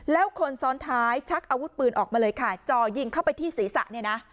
แล้วคนซ้อนท้ายชักอาวุธปืนออกมาเลยค่ะจ่อยิงเข้าไปที่ศีรษะเนี่ยนะ